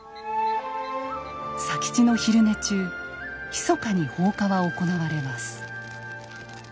佐吉の昼寝中ひそかに放火は行われます。